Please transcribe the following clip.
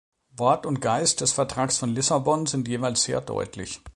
Wort und Geist des Vertrags von Lissabon sind jeweils sehr deutlich.